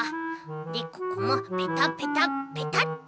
でここもペタペタペタッと。